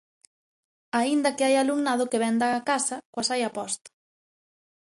Aínda que hai alumnado que vén da casa coa saia posta.